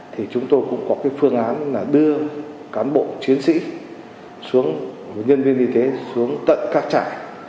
thì chúng tôi cũng có cái phương án là đưa cán bộ chiến sĩ xuống nhân viên y tế xuống tận các trại